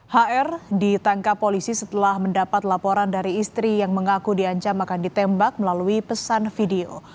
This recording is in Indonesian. hr ditangkap polisi setelah mendapat laporan dari istri yang mengaku diancam akan ditembak melalui pesan video